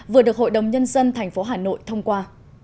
vừa được hội đồng nhân dân thành phố hà nội thông qua